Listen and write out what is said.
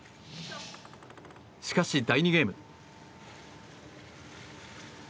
しかし、第２ゲーム。